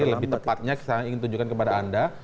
lebih tepatnya saya ingin tunjukkan kepada anda